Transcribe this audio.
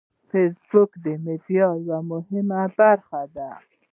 فېسبوک د میډیا یوه مهمه برخه ده